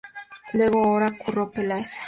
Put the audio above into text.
Luego hará "Curro Peláez".